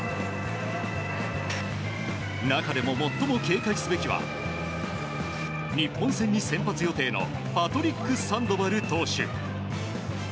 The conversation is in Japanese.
中でも最も警戒すべきは日本戦に先発予定のパトリック・サンドバル投手。